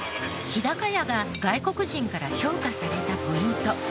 日高屋が外国人から評価されたポイント。